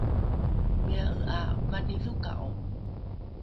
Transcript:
imia’e ’a vanidhoka’o?